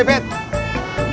ya pat teman gue